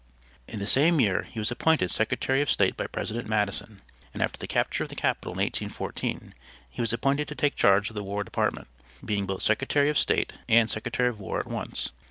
In the same year he was appointed Secretary of State by President Madison, and after the capture of the capitol in 1814, he was appointed to take charge of the war department, being both Secretary of State and Secretary of War at once.